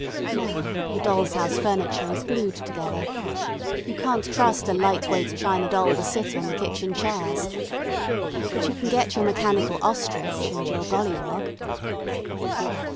Now the dolls' house furniture is glued together. You can't trust a light weight china doll to sit on the kitchen chairs. ... But you can get your mechanical ostrich and your golliwog.